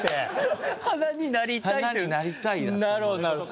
なるほどなるほど。